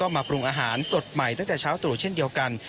มาปรุงอาหารสดใหม่ตั้งแต่เช้าตรู่เช่นเดียวกัน